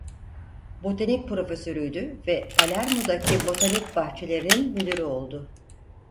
Botanik profesörüydü ve Palermo'daki botanik bahçelerinin müdürü oldu.